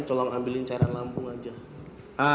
kalau ambil cairan lambung saja